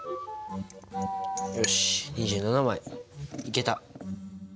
よし２７枚いけた。